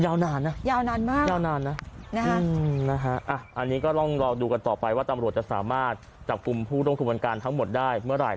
ยาวนานนะยาวนานมากยาวนานนะอันนี้ก็ต้องรอดูกันต่อไปว่าตำรวจจะสามารถจับกลุ่มผู้ร่วมขบวนการทั้งหมดได้เมื่อไหร่